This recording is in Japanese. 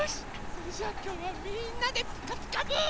それじゃあきょうはみんなで「ピカピカブ！」。